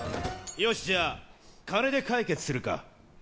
よし、じゃあ金で解決するか。